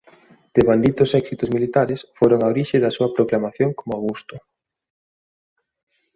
Devanditos éxitos militares foron a orixe da súa proclamación como Augusto.